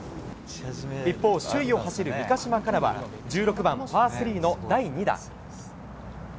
一方、首位を走る三ヶ島かなは１６番、パー３の第２打。